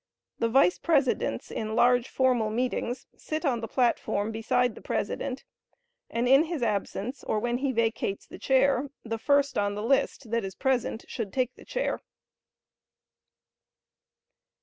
The Vice Presidents in large formal meetings, sit on the platform beside the President, and in his absence, or when he vacates the chair, the first on the list that is present should take the chair.